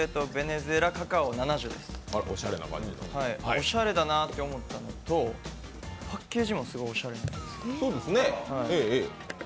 おしゃれだなと思ったのと、パッケージもすごいおしゃれなんです。